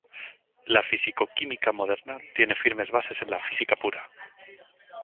La fisicoquímica moderna tiene firmes bases en la física pura.